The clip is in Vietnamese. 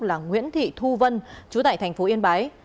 là nguyễn thị thu vân chú tại thành phố yên bái